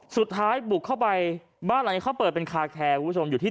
สุดท้ายบุกเข้าไปบ้านหลังนี้เขาเปิดเป็นคาแคร์คุณผู้ชมอยู่ที่